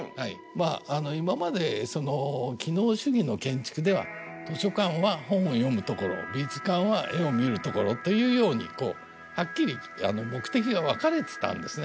まあ今までその機能主義の建築では図書館は本を読む所美術館は絵を見る所というようにこうはっきり目的が分かれてたんですね。